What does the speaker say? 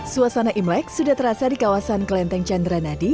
suasana imlek sudah terasa di kawasan kelenteng chandranadi